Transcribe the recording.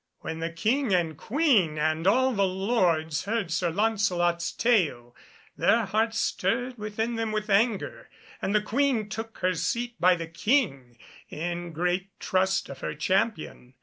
When the King and Queen and all the Lords heard Sir Lancelot's tale, their hearts stirred within them with anger, and the Queen took her seat by the King, in great trust of her champion.